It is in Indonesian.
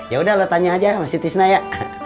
yaudah lo tanya aja sama si tisna ya